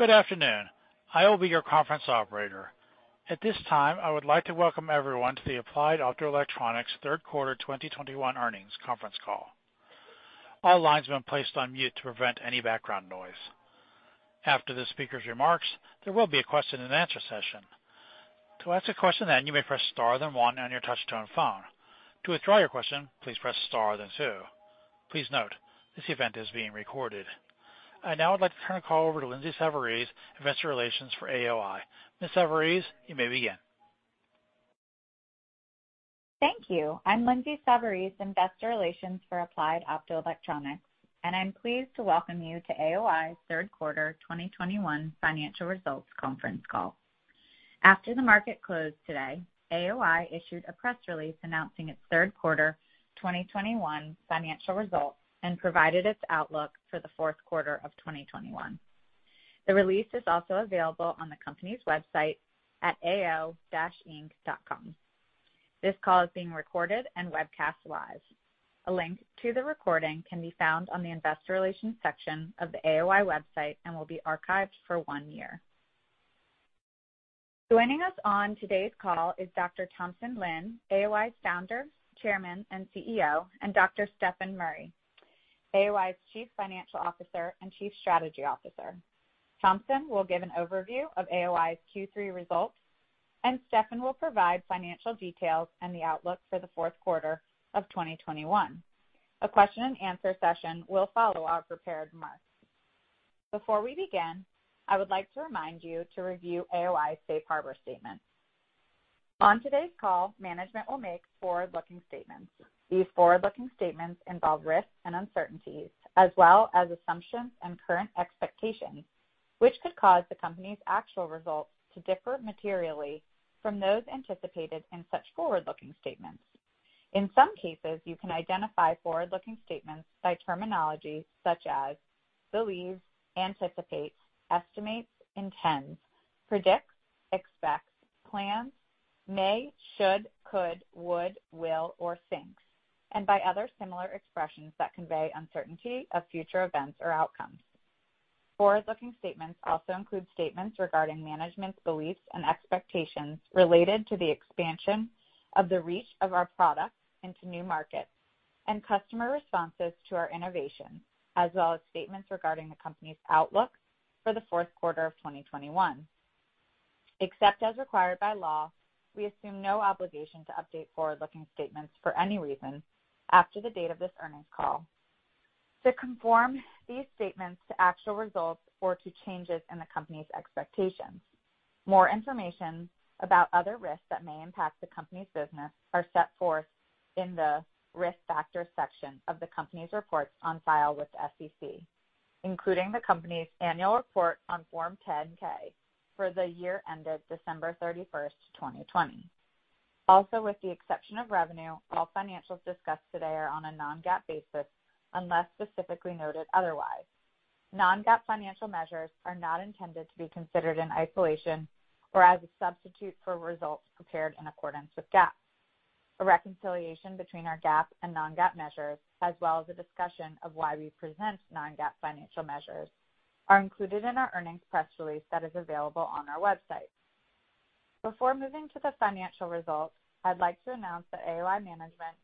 Good afternoon. I will be your conference operator. At this time, I would like to welcome everyone to the Applied Optoelectronics third quarter 2021 earnings conference call. All lines have been placed on mute to prevent any background noise. After the speaker's remarks, there will be a question and answer session. To ask a question then, you may press star then one on your touch-tone phone. To withdraw your question, please press star then two. Please note, this event is being recorded. I'd now like to turn the call over to Lindsay Savarese, investor relations for AOI. Ms. Savarese, you may begin. Thank you. I'm Lindsay Savarese, investor relations for Applied Optoelectronics, and I'm pleased to welcome you to AOI third quarter 2021 financial results conference call. After the market closed today, AOI issued a press release announcing its third quarter 2021 financial results and provided its outlook for the fourth quarter of 2021. The release is also available on the company's website at ao-inc.com. This call is being recorded and webcast live. A link to the recording can be found on the investor relations section of the AOI website and will be archived for one year. Joining us on today's call is Dr. Thompson Lin, AOI founder, chairman, and CEO, and Dr. Stefan Murry, AOI's chief financial officer and chief strategy officer. Thompson will give an overview of AOI's Q3 results, and Stefan will provide financial details and the outlook for the fourth quarter of 2021. A question and answer session will follow our prepared remarks. Before we begin, I would like to remind you to review AOI's safe harbor statement. On today's call, management will make forward-looking statements. These forward-looking statements involve risks and uncertainties as well as assumptions and current expectations, which could cause the company's actual results to differ materially from those anticipated in such forward-looking statements. In some cases, you can identify forward-looking statements by terminology such as believes, anticipate, estimates, intends, predicts, expects, plans, may, should, could, would, will, or thinks, and by other similar expressions that convey uncertainty of future events or outcomes. Forward-looking statements also include statements regarding management's beliefs and expectations related to the expansion of the reach of our products into new markets and customer responses to our innovation, as well as statements regarding the company's outlook for the fourth quarter of 2021. Except as required by law, we assume no obligation to update forward-looking statements for any reason after the date of this earnings call to conform these statements to actual results or to changes in the company's expectations. More information about other risks that may impact the company's business are set forth in the Risk Factors section of the company's reports on file with the SEC, including the company's annual report on Form 10-K for the year ended December 31st, 2020. Also, with the exception of revenue, all financials discussed today are on a non-GAAP basis, unless specifically noted otherwise. Non-GAAP financial measures are not intended to be considered in isolation or as a substitute for results prepared in accordance with GAAP. A reconciliation between our GAAP and non-GAAP measures, as well as a discussion of why we present non-GAAP financial measures, are included in our earnings press release that is available on our website. Before moving to the financial results, I'd like to announce that AOI management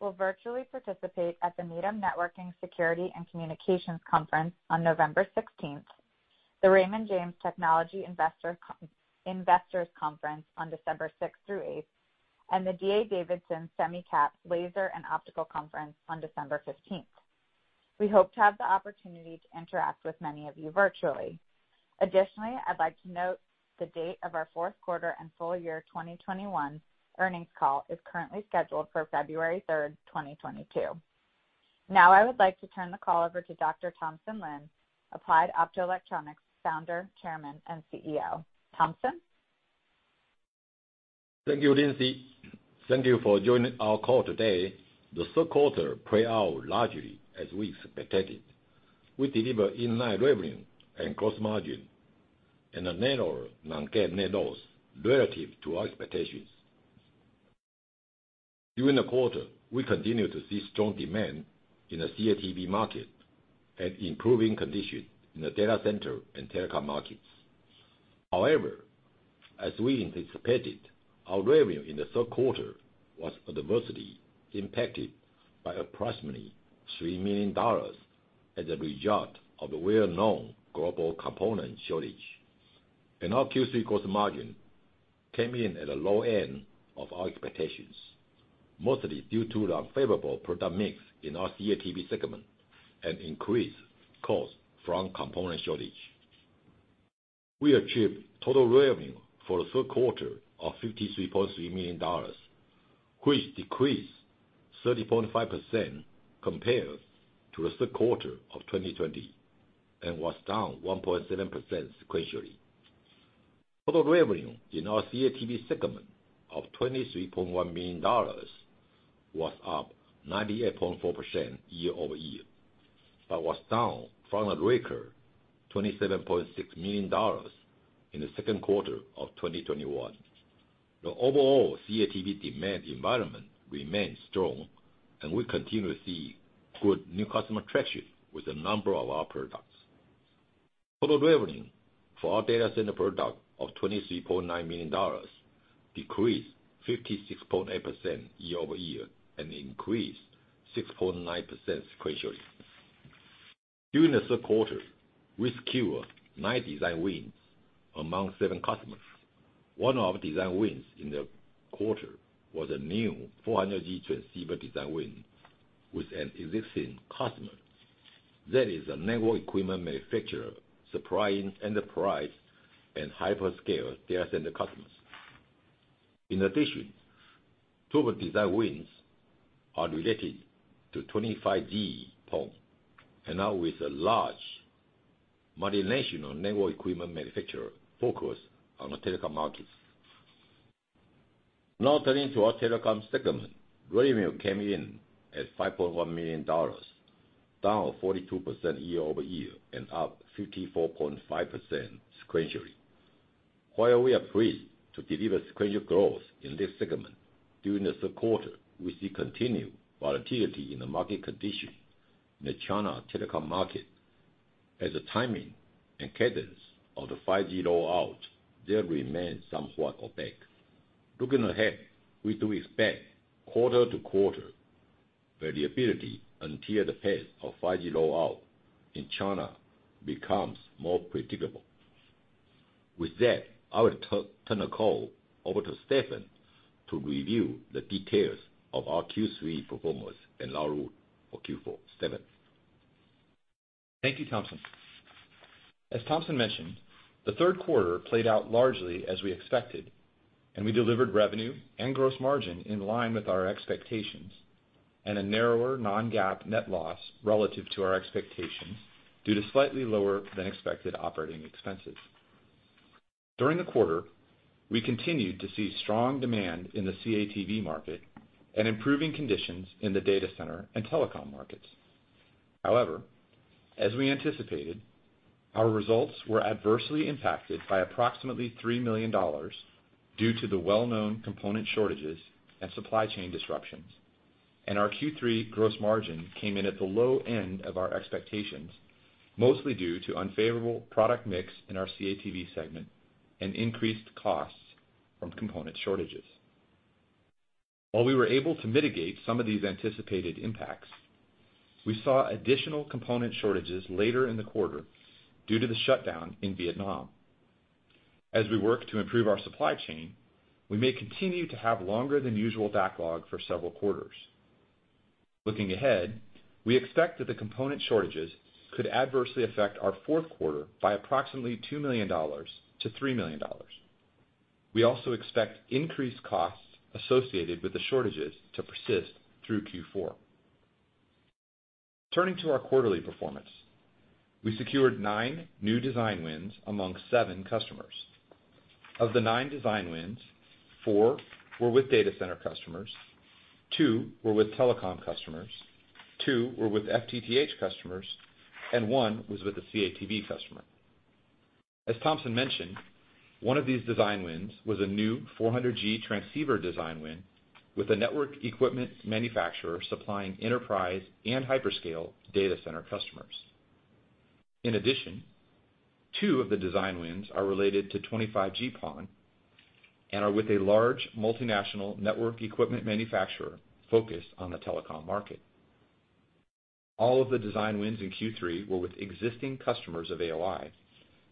will virtually participate at the Needham Networking, Security and Communications Conference on November 16th, the Raymond James Technology Investors Conference on December 6th through 8th, and the D.A. Davidson Semicap, Laser and Optical Conference on December 15th. We hope to have the opportunity to interact with many of you virtually. Additionally, I'd like to note the date of our fourth quarter and full year 2021 earnings call is currently scheduled for February 3rd, 2022. Now, I would like to turn the call over to Dr. Thompson Lin, Applied Optoelectronics Founder, Chairman, and CEO. Thompson? Thank you, Lindsay. Thank you for joining our call today. The third quarter played out largely as we expected. We delivered in-line revenue and gross margin and a narrower non-GAAP net loss relative to our expectations. During the quarter, we continued to see strong demand in the CATV market and improving conditions in the data center and telecom markets. However, as we anticipated, our revenue in the third quarter was adversely impacted by approximately $3 million as a result of the well-known global component shortage. Our Q3 gross margin came in at the low end of our expectations, mostly due to the unfavorable product mix in our CATV segment and increased costs from component shortage. We achieved total revenue for the third quarter of $53.3 million, which decreased 30.5% compared to the third quarter of 2020 and was down 1.7% sequentially. Total revenue in our CATV segment of $23.1 million was up 98.4% year-over-year, but was down from the record $27.6 million in the second quarter of 2021. The overall CATV demand environment remains strong, and we continue to see good new customer traction with a number of our products. Total revenue for our data center product of $23.9 million decreased 56.8% year-over-year and increased 6.9% sequentially. During the third quarter, we secured nine design wins among seven customers. One of the design wins in the quarter was a new 400G transceiver design win with an existing customer. That is a network equipment manufacturer supplying enterprise and hyperscale data center customers. In addition, two of the design wins are related to 25G PON, now with a large multinational network equipment manufacturer focused on the telecom market. Now turning to our Telecom segment. Revenue came in at $5.1 million, down 42% year-over-year and up 54.5% sequentially. While we are pleased to deliver sequential growth in this segment, during the third quarter, we see continued volatility in the market condition in the China telecom market as the timing and cadence of the 5G rollout there remain somewhat opaque. Looking ahead, we do expect quarter-to-quarter variability until the pace of 5G rollout in China becomes more predictable. With that, I will turn the call over to Stefan to review the details of our Q3 performance and outlook for Q4. Stefan. Thank you, Thompson. As Thompson mentioned, the third quarter played out largely as we expected, and we delivered revenue and gross margin in line with our expectations, and a narrower non-GAAP net loss relative to our expectations due to slightly lower than expected operating expenses. During the quarter, we continued to see strong demand in the CATV market and improving conditions in the data center and telecom markets. However, as we anticipated, our results were adversely impacted by approximately $3 million due to the well-known component shortages and supply chain disruptions. Our Q3 gross margin came in at the low end of our expectations, mostly due to unfavorable product mix in our CATV segment and increased costs from component shortages. While we were able to mitigate some of these anticipated impacts, we saw additional component shortages later in the quarter due to the shutdown in Vietnam. As we work to improve our supply chain, we may continue to have longer than usual backlog for several quarters. Looking ahead, we expect that the component shortages could adversely affect our fourth quarter by approximately $2 million-$3 million. We also expect increased costs associated with the shortages to persist through Q4. Turning to our quarterly performance. We secured nine new design wins among seven customers. Of the nine design wins, four were with data center customers, two were with telecom customers, two were with FTTH customers, and one was with a CATV customer. As Thompson mentioned, one of these design wins was a new 400G transceiver design win with a network equipment manufacturer supplying enterprise and hyperscale data center customers. In addition, two of the design wins are related to 25G PON and are with a large multinational network equipment manufacturer focused on the telecom market. All of the design wins in Q3 were with existing customers of AOI,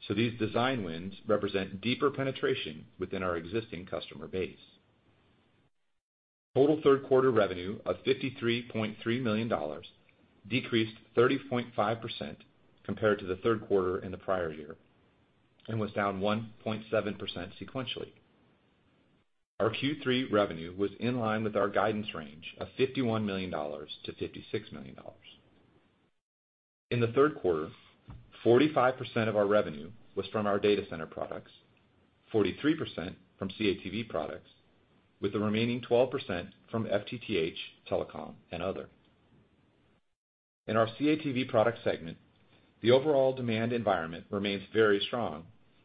so these design wins represent deeper penetration within our existing customer base. Total third quarter revenue of $53.3 million decreased 30.5% compared to the third quarter in the prior year and was down 1.7% sequentially. Our Q3 revenue was in line with our guidance range of $51 million-$56 million. In the third quarter, 45% of our revenue was from our data center products, 43% from CATV products, with the remaining 12% from FTTH, telecom, and other. In our CATV product segment, the overall demand environment remains very strong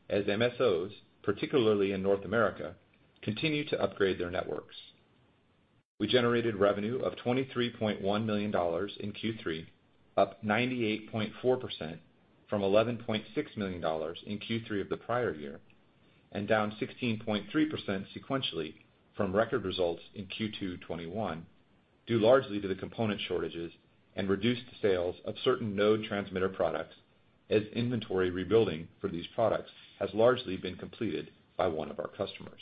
as MSOs, particularly in North America, continue to upgrade their networks. We generated revenue of $23.1 million in Q3, up 98.4% from $11.6 million in Q3 of the prior year, and down 16.3% sequentially from record results in Q2 2021, due largely to the component shortages and reduced sales of certain node transmitter products as inventory rebuilding for these products has largely been completed by one of our customers.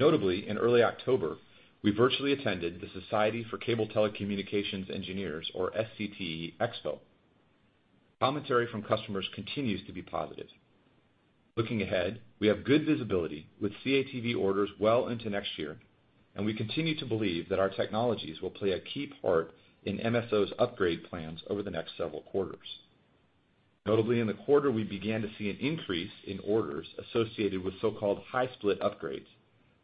Notably, in early October, we virtually attended the Society of Cable Telecommunications Engineers, or SCTE Expo. Commentary from customers continues to be positive. Looking ahead, we have good visibility with CATV orders well into next year, and we continue to believe that our technologies will play a key part in MSOs upgrade plans over the next several quarters. Notably, in the quarter, we began to see an increase in orders associated with so-called high split upgrades,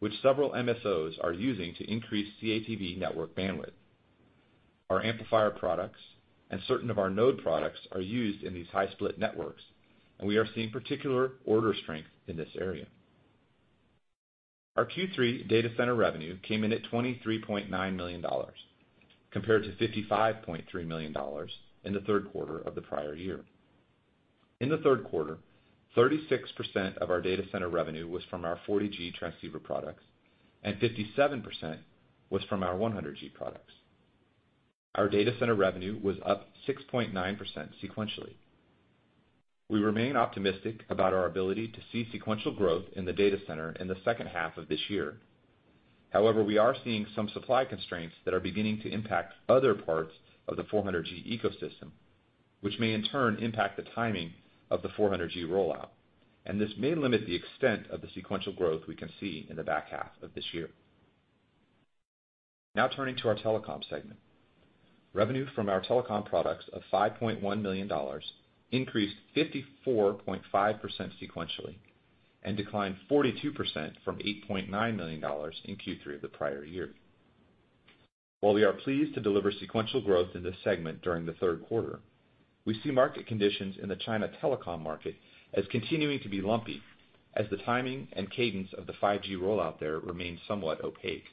which several MSOs are using to increase CATV network bandwidth. Our amplifier products and certain of our node products are used in these high split networks, and we are seeing particular order strength in this area. Our Q3 data center revenue came in at $23.9 million, compared to $55.3 million in the third quarter of the prior year. In the third quarter, 36% of our data center revenue was from our 40G transceiver products, and 57% was from our 100G products. Our data center revenue was up 6.9% sequentially. We remain optimistic about our ability to see sequential growth in the data center in the second half of this year. However, we are seeing some supply constraints that are beginning to impact other parts of the 400G ecosystem, which may in turn impact the timing of the 400G rollout, and this may limit the extent of the sequential growth we can see in the back half of this year. Now turning to our telecom segment. Revenue from our telecom products of $5.1 million increased 54.5% sequentially and declined 42% from $8.9 million in Q3 of the prior year. While we are pleased to deliver sequential growth in this segment during the third quarter, we see market conditions in the China telecom market as continuing to be lumpy as the timing and cadence of the 5G rollout there remains somewhat opaque.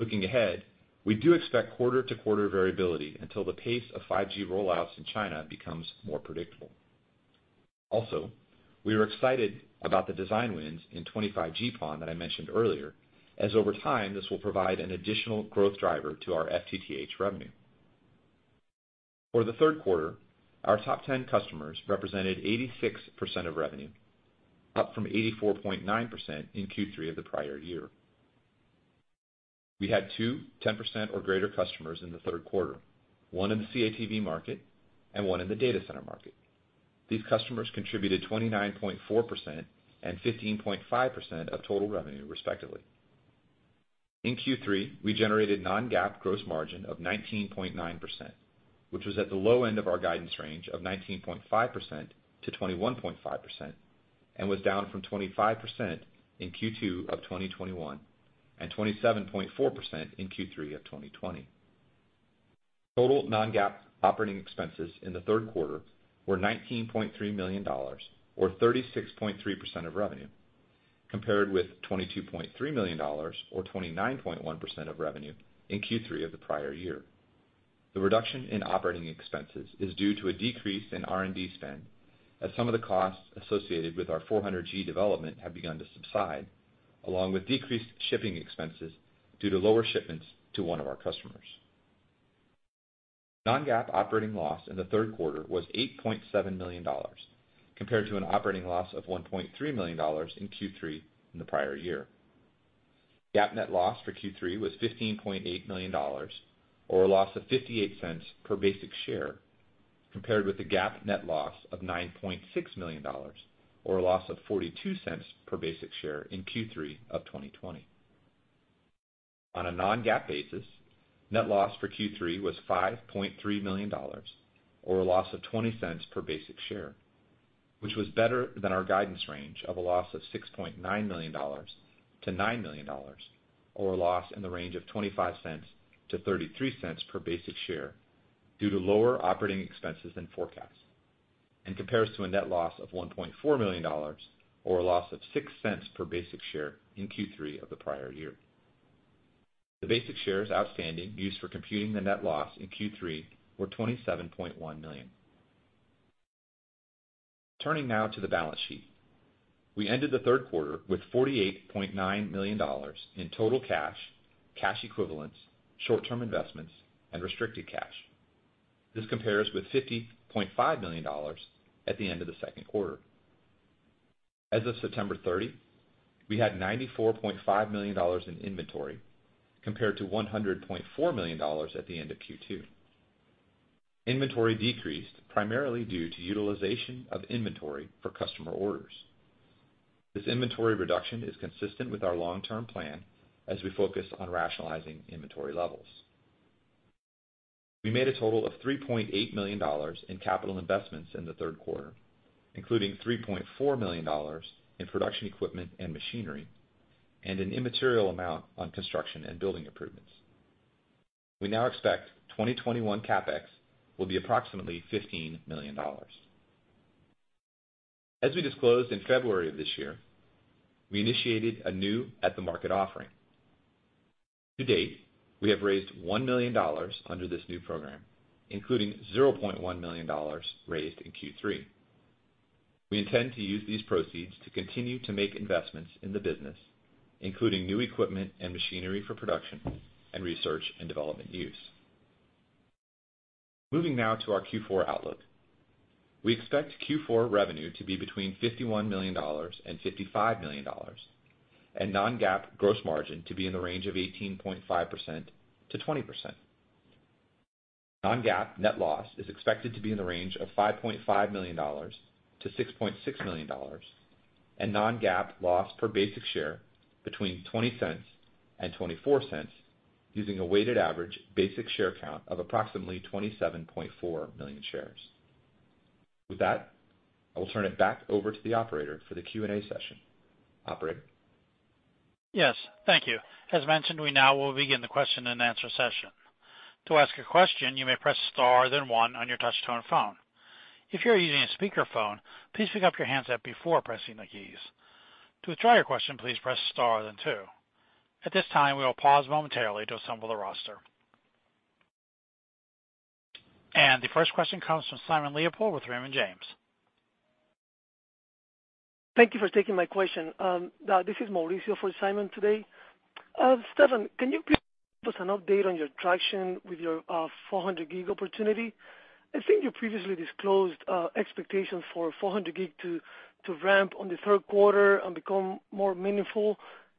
Looking ahead, we do expect quarter-to-quarter variability until the pace of 5G rollouts in China becomes more predictable. Also, we are excited about the design wins in 25G PON that I mentioned earlier, as over time, this will provide an additional growth driver to our FTTH revenue. For the third quarter, our top ten customers represented 86% of revenue, up from 84.9% in Q3 of the prior year. We had two 10% or greater customers in the third quarter, one in the CATV market and one in the data center market. These customers contributed 29.4% and 15.5% of total revenue, respectively. In Q3, we generated non-GAAP gross margin of 19.9%, which was at the low end of our guidance range of 19.5%-21.5% and was down from 25% in Q2 of 2021 and 27.4% in Q3 of 2020. Total non-GAAP operating expenses in the third quarter were $19.3 million or 36.3% of revenue, compared with $22.3 million or 29.1% of revenue in Q3 of the prior year. The reduction in operating expenses is due to a decrease in R&D spend, as some of the costs associated with our 400G development have begun to subside, along with decreased shipping expenses due to lower shipments to one of our customers. non-GAAP operating loss in the third quarter was $8.7 million, compared to an operating loss of $1.3 million in Q3 in the prior year. GAAP net loss for Q3 was $15.8 million or a loss of $0.58 per basic share, compared with the GAAP net loss of $9.6 million or a loss of $0.42 per basic share in Q3 of 2020. On a non-GAAP basis, net loss for Q3 was $5.3 million or a loss of $0.20 per basic share, which was better than our guidance range of a loss of $6.9 million-$9 million or a loss in the range of $0.25-$0.33 per basic share due to lower operating expenses than forecast and compares to a net loss of $1.4 million or a loss of $0.06 per basic share in Q3 of the prior year. The basic shares outstanding used for computing the net loss in Q3 were 27.1 million. Turning now to the balance sheet. We ended the third quarter with $48.9 million in total cash equivalents, short-term investments, and restricted cash. This compares with $50.5 million at the end of the second quarter. As of September 30, we had $94.5 million in inventory, compared to $100.4 million at the end of Q2. Inventory decreased primarily due to utilization of inventory for customer orders. This inventory reduction is consistent with our long-term plan as we focus on rationalizing inventory levels. We made a total of $3.8 million in capital investments in the third quarter, including $3.4 million in production equipment and machinery, and an immaterial amount on construction and building improvements. We now expect 2021 CapEx will be approximately $15 million. As we disclosed in February of this year, we initiated a new at-the-market offering. To date, we have raised $1 million under this new program, including $0.1 million raised in Q3. We intend to use these proceeds to continue to make investments in the business, including new equipment and machinery for production and research and development use. Moving now to our Q4 outlook. We expect Q4 revenue to be between $51 million and $55 million, and non-GAAP gross margin to be in the range of 18.5%-20%. Non-GAAP net loss is expected to be in the range of $5.5 million-$6.6 million, and non-GAAP loss per basic share between 20 cents and 24 cents, using a weighted average basic share count of approximately 27.4 million shares. With that, I will turn it back over to the operator for the Q&A session. Operator? Yes, thank you. As mentioned, we now will begin the question-and-answer session. To ask a question, you may press star then one on your touchtone phone. If you're using a speakerphone, please pick up your handset before pressing the keys. To withdraw your question, please press star then two. At this time, we will pause momentarily to assemble the roster. The first question comes from Simon Leopold with Raymond James. Thank you for taking my question. This is Mauricio for Simon today. Stefan, can you please give us an update on your traction with your 400G opportunity? I think you previously disclosed expectations for 400G to ramp in the third quarter and become more meaningful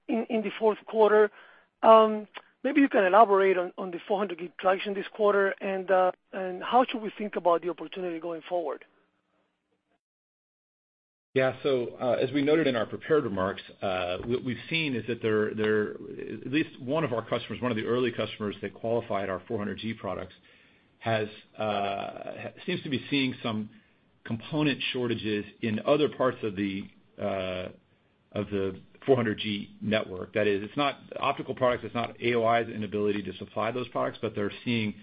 in the fourth quarter. Maybe you can elaborate on the 400G traction this quarter and how should we think about the opportunity going forward? Yeah. As we noted in our prepared remarks, what we've seen is that there at least one of our customers, one of the early customers that qualified our 400G products has seems to be seeing some component shortages in other parts of the 400G network. That is, it's not optical products, it's not AOI's inability to supply those products, but they're seeing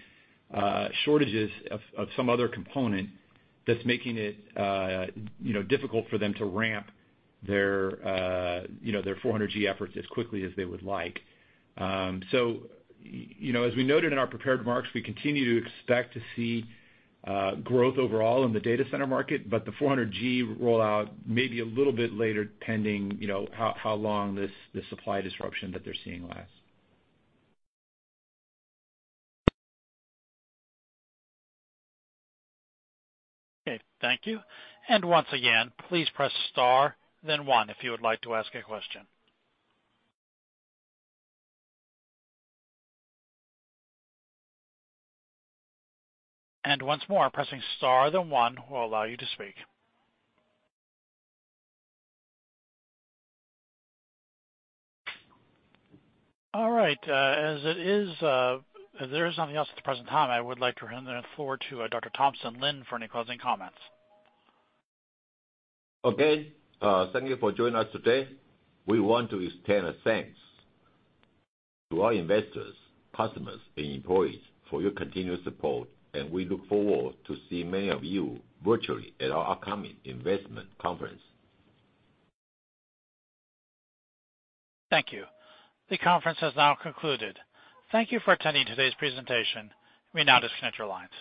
shortages of some other component that's making it you know difficult for them to ramp their you know their 400G efforts as quickly as they would like. You know, as we noted in our prepared remarks, we continue to expect to see growth overall in the data center market. The 400G rollout may be a little bit later, pending, you know, how long this supply disruption that they're seeing lasts. Okay. Thank you. Once again, please press star then one if you would like to ask a question. Once more, pressing star then one will allow you to speak. All right, as it is, there is nothing else at the present time, I would like to hand the floor to Dr. Thompson Lin for any closing comments. Okay, thank you for joining us today. We want to extend our thanks to our investors, customers and employees for your continuous support, and we look forward to seeing many of you virtually at our upcoming investment conference. Thank you. The conference has now concluded. Thank you for attending today's presentation. You may now disconnect your lines.